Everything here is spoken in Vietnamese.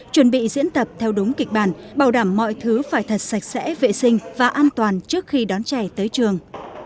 chuẩn bị diễn tập theo đúng kịch bản bảo đảm mọi thứ phải thật sạch sẽ vệ sinh và an toàn trước khi đón trẻ tới trường